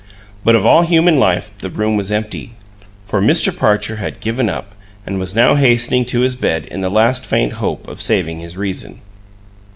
But of all human life the room was empty; for Mr. Parcher had given up, and was now hastening to his bed in the last faint hope of saving his reason.